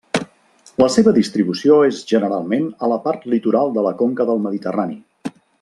La seva distribució és generalment a la part litoral de la conca del Mediterrani.